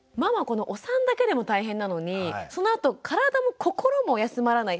このお産だけでも大変なのにそのあと体も心も休まらない。